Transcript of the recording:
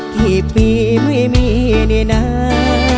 ที่ปีไม่มีนี่นะ